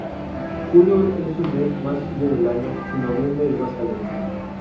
Julio es su mes más frío del año y noviembre el más caliente.